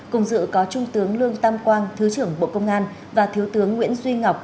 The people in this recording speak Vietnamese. cùng dự có trung tướng lương tam quang thứ trưởng bộ công an và thiếu tướng nguyễn duy ngọc